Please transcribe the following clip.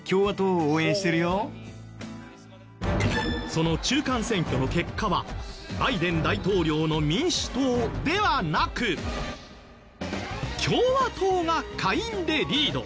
その中間選挙の結果はバイデン大統領の民主党ではなく共和党が下院でリード。